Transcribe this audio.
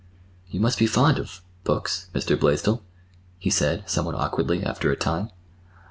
"You must be fond of—books, Mr. Blaisdell," he said somewhat awkwardly, after a time.